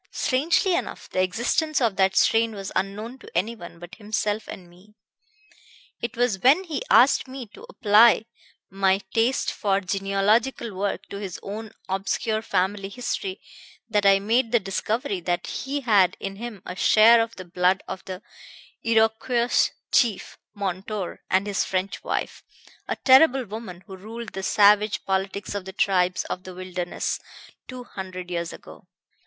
Strangely enough, the existence of that strain was unknown to anyone but himself and me. It was when he asked me to apply my taste for genealogical work to his own obscure family history that I made the discovery that he had in him a share of the blood of the Iroquois chief Montour and his French wife, a terrible woman who ruled the savage politics of the tribes of the Wilderness two hundred years ago.